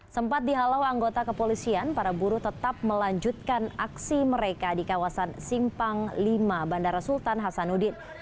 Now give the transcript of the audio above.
sempat dihalau anggota kepolisian para buruh tetap melanjutkan aksi mereka di kawasan simpang lima bandara sultan hasanuddin